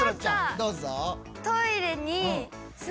どうぞ。